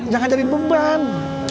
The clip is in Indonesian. jangan jadi bembang